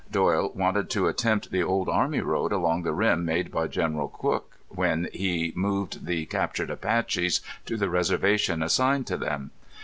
Doyle wanted to attempt the old army road along the rim made by General Crook when he moved the captured Apaches to the reservation assigned to them.